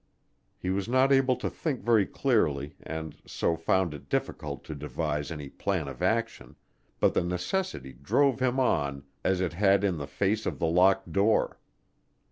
He was not able to think very clearly and so found it difficult to devise any plan of action, but the necessity drove him on as it had in the face of the locked door.